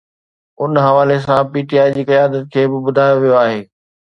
ان حوالي سان پي ٽي آءِ جي قيادت کي به ٻڌايو ويو آهي